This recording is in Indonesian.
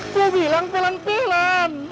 kok bilang pelan pelan